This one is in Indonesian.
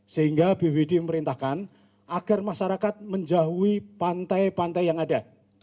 sehingga bpbd memerintahkan agar masyarakat menjauhi pantai pantai yang ada